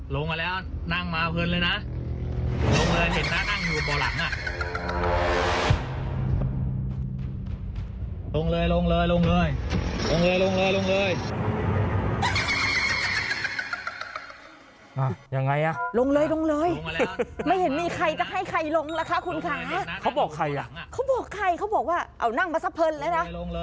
ลงมาแล้วนั่งมาเพื่อนเลยนะ